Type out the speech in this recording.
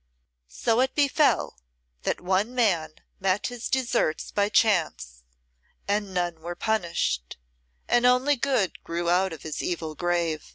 So it befel that one man met his deserts by chance, and none were punished, and only good grew out of his evil grave.